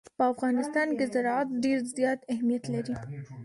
په افغانستان کې زراعت ډېر زیات اهمیت لري.